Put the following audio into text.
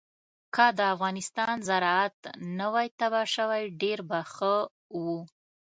که د افغانستان زراعت نه وی تباه شوی ډېر به ښه وو.